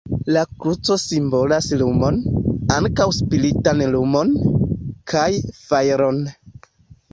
La kruco simbolas lumon, ankaŭ spiritan lumon, kaj fajron.